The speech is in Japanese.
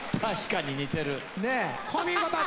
確かに似てる。髪型。